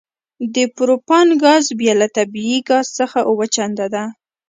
د پروپان ګاز بیه له طبیعي ګاز څخه اوه چنده ده